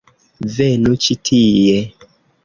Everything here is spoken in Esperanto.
- Venu ĉi tie